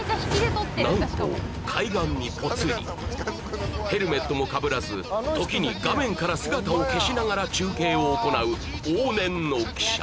何と海岸にポツリヘルメットもかぶらず時に画面から姿を消しながら中継を行う往年の記者